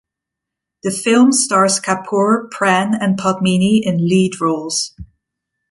The film stars Kapoor, Pran and Padmini in lead roles.